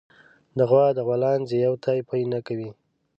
د غوا د غولانځې يو تی پئ نه کوي